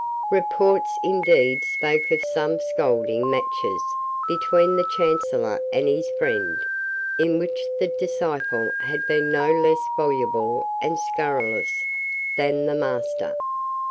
Report indeed spoke of some scolding matches between the Chancellor and his friend, in which the disciple had been not less voluble and scurrilous than the master.